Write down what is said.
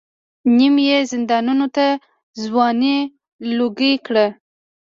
نیم یې زندانونو ته ځوانۍ لوګۍ کړې.